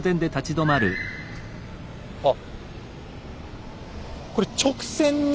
あっ。